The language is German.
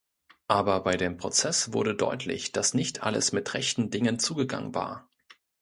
Aber bei dem Prozess wurde deutlich, dass nicht alles mit rechten Dingen zugegangen war.